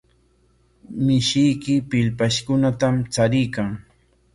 Mishiyki pillpashkunatam chariykan.